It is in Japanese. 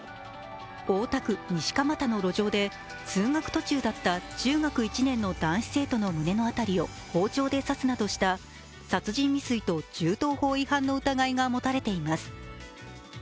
大田区・西蒲田の路上で通学途中だった中学１年の男子生徒の胸の辺りを包丁で刺すなど下殺人未遂と銃刀法違反の疑いが持たれています。